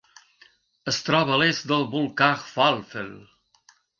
Es troba a l'est del volcà "Hvalfell".